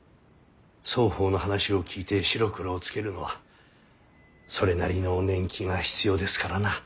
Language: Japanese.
双方の話を聞いて白黒をつけるのはそれなりの年季が必要ですからな。